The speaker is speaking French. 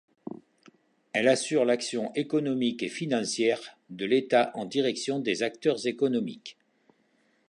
Elle assure l'action économique et financière de l'État en direction des acteurs économiques.